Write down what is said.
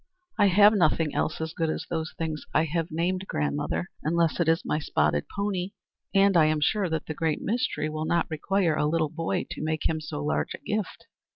"I have nothing else as good as those things I have named, grandmother, unless it is my spotted pony; and I am sure that the Great Mystery will not require a little boy to make him so large a gift.